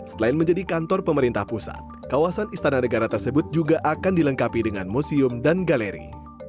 selain menjadi kantor pemerintah pusat kawasan istana negara tersebut juga akan dilengkapi dengan museum dan galeri